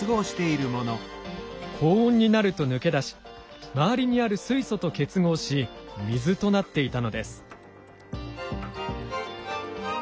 高温になると抜けだし周りにある水素と結合し水となっていたのです。